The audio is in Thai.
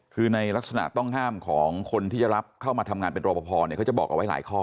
คือในลักษณะต้องห้ามของคนที่จะรับเข้ามาทำงานเป็นรอปภเขาจะบอกเอาไว้หลายข้อ